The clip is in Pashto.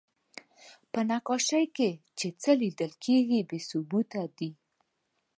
په نقاشۍ کې چې څه لیدل کېږي، بې ثبوته دي.